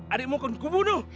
adikmu akan kubunuh